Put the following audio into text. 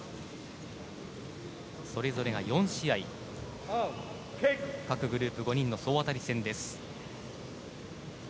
それぞれが４試合各グループ５人の総当たり戦です。